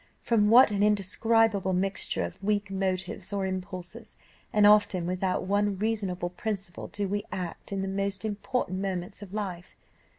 From what an indescribable mixture of weak motives or impulses, and often without one reasonable principle, do we act in the most important moments of life.